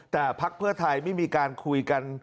แต่พักเพื่อไทยไม่มีการคุยกัน